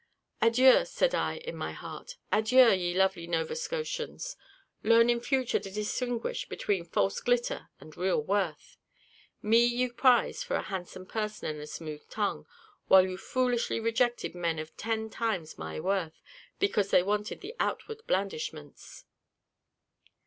"Adieu!" said I, in my heart, "adieu, ye lovely Nova Scotians! learn in future to distinguish between false glitter and real worth. Me ye prized for a handsome person and a smooth tongue, while you foolishly rejected men of ten times my worth, because they wanted the outward blandishments."